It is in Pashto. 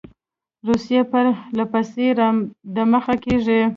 روسیه پر له پسې را دمخه کیږي.